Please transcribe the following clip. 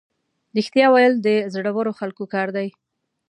رښتیا ویل د زړورو خلکو کار دی.